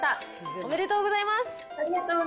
おめでとうございます。